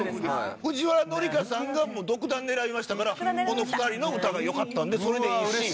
藤原紀香さんが独断で選びましたからこの２人の歌が良かったんでそれでいいし。